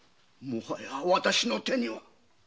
もはや私の手には。